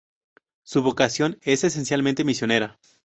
Su vocación es esencialmente misionera.